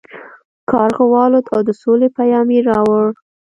کارغه والوت او د سولې پیام یې راوړ.